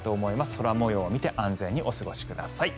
空模様を見て安全にお過ごしください。